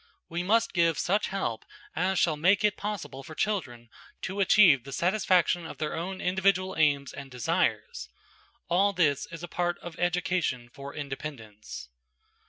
We must give such help as shall make it possible for children to achieve the satisfaction of their own individual aims and desires. All this is a part of education for independence.